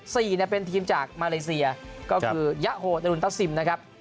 สี่เนี่ยเป็นทีมจากมาเลเซียก็คือยะโฮดรุนตะซิมนะครับ